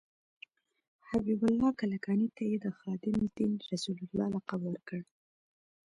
حبیب الله کلکاني ته یې د خادم دین رسول الله لقب ورکړ.